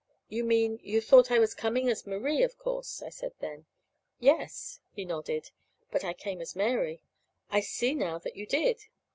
"You mean you thought I was coming as Marie, of course," I said then. "Yes," he nodded. "But I came as Mary." "I see now that you did."